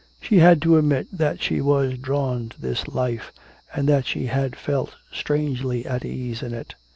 She had to admit that she was drawn to this life, and that she had felt strangely at ease in it.